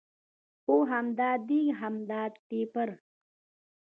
خو همدا دېګ او همدا ټېپر.